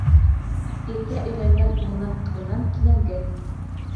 Иртә өйләнгән улынан-ҡыҙынан кинәнгән.